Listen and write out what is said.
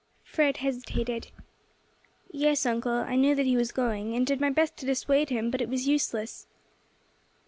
Fred hesitated. "Yes, uncle, I knew that he was going, and did my best to dissuade him, but it was useless."